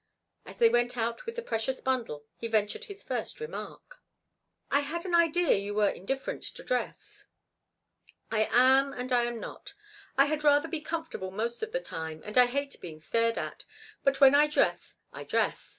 As they went out with the precious bundle he ventured his first remark. "I had an idea you were indifferent to dress." "I am and I am not. I had rather be comfortable most of the time, and I hate being stared at, but when I dress I dress.